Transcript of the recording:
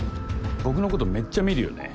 僕のことめっちゃ見るよね。